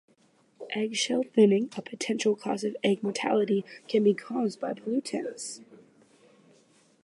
Egg shell thinning, a potential cause of egg mortality, can be caused by pollutants.